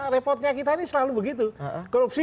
repotnya kita ini selalu begitu korupsi